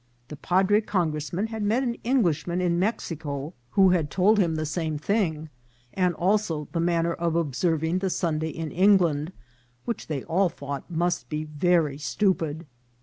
The padre Congressman had met an Englishman in Mexico 332 INCIDENTS Of TRAVEL. who told him the same thing, and also the manner of observing the Sunday in England, which they all thought must be very stupid.